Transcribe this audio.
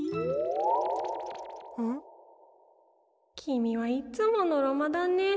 きみはいつものろまだね。